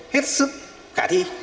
hết sức khả thi